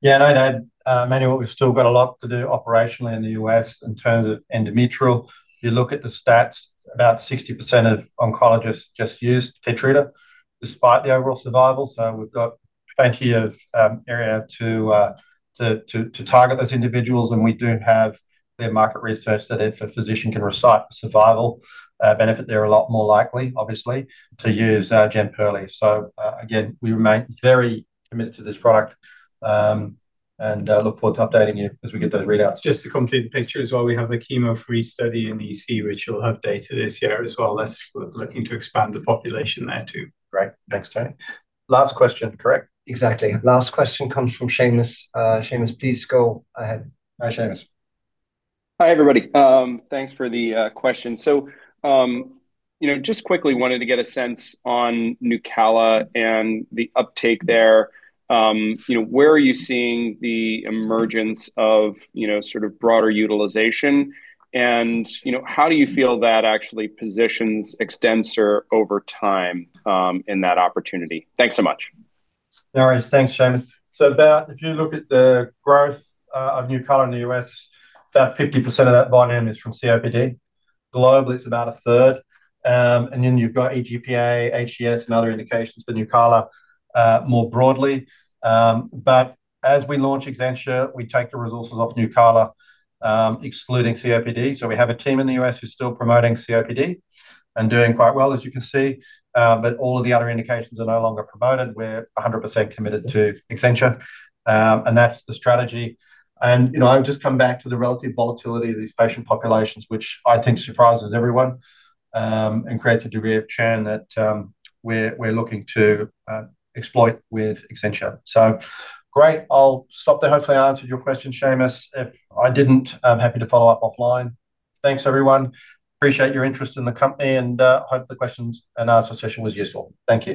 Yeah, no, Emmanuel, we've still got a lot to do operationally in the U.S. in terms of endometrial. If you look at the stats, about 60% of oncologists just use Keytruda despite the overall survival. We've got plenty of area to target those individuals. We do have their market research, so if a physician can recite the survival benefit, they're a lot more likely obviously to use Jemperli. Again, we remain very committed to this product, and look forward to updating you as we get those readouts. Just to complete the picture as well, we have the chemo-free study in EC, which will have data this year as well. That's looking to expand the population there too. Great. Thanks, Tony. Last question, correct? Exactly. Last question comes from Seamus. Seamus, please go ahead. Hi, Seamus. Hi, everybody. Thanks for the question. You know, just quickly wanted to get a sense on Nucala and the uptake there. You know, where are you seeing the emergence of, you know, sort of broader utilization? You know, how do you feel that actually positions Extencia over time in that opportunity? Thanks so much. No worries. Thanks, Seamus. If you look at the growth of Nucala in the U.S., 50% of that volume is from COPD. Globally, it's about a 1/3. You've got EGPA, HES and other indications for Nucala more broadly. As we launch Extencia, we take the resources off Nucala, excluding COPD. We have a team in the U.S. who's still promoting COPD and doing quite well, as you can see. All of the other indications are no longer promoted. We're 100% committed to Extencia. That's the strategy. You know, I would just come back to the relative volatility of these patient populations, which I think surprises everyone and creates a degree of churn that we're looking to exploit with Extencia. Great. I'll stop there. Hopefully I answered your question, Seamus. If I didn't, I'm happy to follow up offline. Thanks everyone. Appreciate your interest in the company and hope the questions and answer session was useful. Thank you.